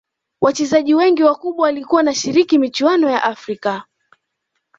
Wachezaji wengi wakubwa walikuwa wanashiriki michuano ya afrika